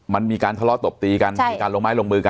มันมีการทะเลาะตบตีกันมีการลงไม้ลงมือกัน